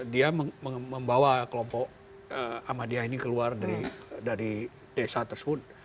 dia membawa kelompok ahmadiyah ini keluar dari desa tersebut